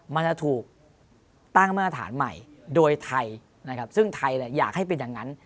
มันจะถูกตั้งมาตรฐานใหม่โดยไทยนะครับซึ่งไทยอยากให้เป็นอย่างนั้น